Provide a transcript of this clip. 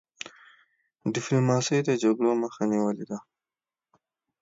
ډيپلوماسی د جګړو مخه نیولي ده.